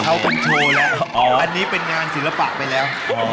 เขาต้องโชว์แล้วอันนี้เป็นงานศิลปะไปแล้ว